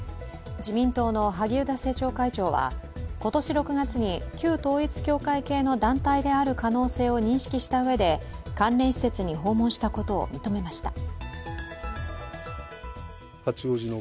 自民党の萩生田政調会長は、今年６月に旧統一教会系の団体である可能性を認識したうえで関連施設に訪問したことを認めました。